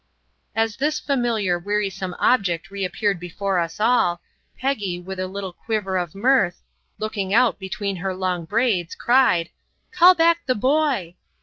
As this familiar, wearisome object reappeared before us all, Peggy, with a little quiver of mirth, looking out between her long braids, cried: "Call back the boy!"